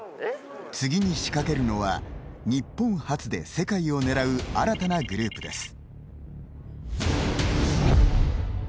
次に仕掛けるのは日本発で、世界を狙う新たなグループです。